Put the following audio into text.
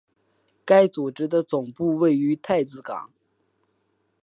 该组织的总部位于太子港。